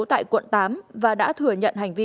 tại quận tám và đã thừa nhận hành vi